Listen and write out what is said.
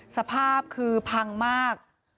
สภาพคือพังมาก